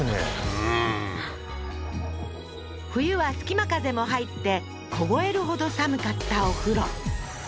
うん冬は隙間風も入って凍えるほど寒かったお風呂